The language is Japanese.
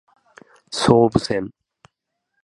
総武線